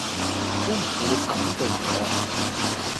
估唔到你咁對我